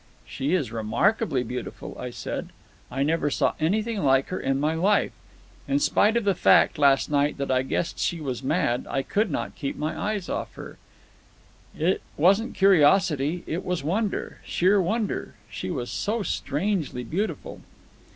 "She is remarkably beautiful," I said. "I never saw anything like her in my life. In spite of the fact, last night, that I guessed she was mad, I could not keep my eyes off of her. It wasn't curiosity. It was wonder, sheer wonder, she was so strangely beautiful."